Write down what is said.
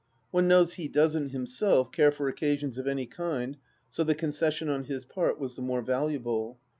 ... One knows he doesn't, himself, care for occasions of any kind, so the concession on his part was the more valuable.